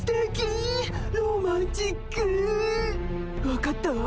分かったわ。